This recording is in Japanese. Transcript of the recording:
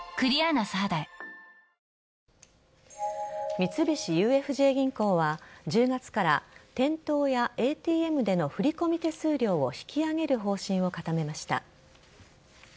三菱ＵＦＪ銀行は１０月から店頭やＡＴＭでの振り込み手数料を引き上げる方針を固めました。